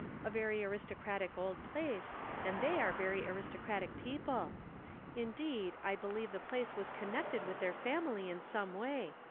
A very aristocratic old place, and they are very aristocratic people. Indeed, I believe the place was connected with their family in some way.